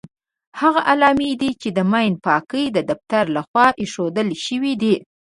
هغه علامې دي چې د ماین پاکۍ د دفتر لخوا ايښودل شوې دي.